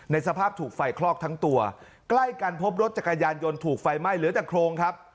สภาพถูกไฟคลอกทั้งตัวใกล้กันพบรถจักรยานยนต์ถูกไฟไหม้เหลือแต่โครงครับ